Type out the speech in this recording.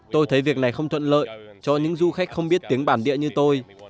tôi thấy việc này không thuận lợi cho những du khách không biết tiếng bản địa như tôi